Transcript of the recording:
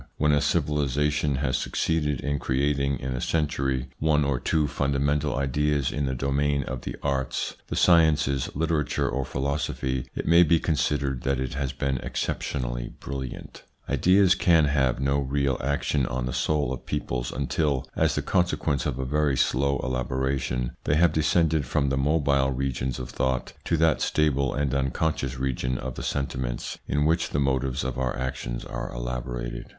When a civilisation has succeeded in creating in a century 1 Ilhomme et les socictes. Leurs origines et leur histoire, vol. ii. ITS INFLUENCE ON THEIR EVOLUTION 169 one or two fundamental ideas in the domain of the arts, the sciences, literature or philosophy, it may be considered that it has been exceptionally brilliant. Ideas can have no real action on the soul of peoples until, as the consequence of a very slow elaboration, they have descended from the mobile regions of thought to that stable and unconscious region of the sentiments in which the motives of our actions are elaborated.